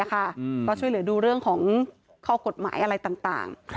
ก็ช่วยเหลือดูเรื่องของข้อกฎหมายอะไรต่าง